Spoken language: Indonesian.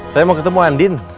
saya mau ketemu andin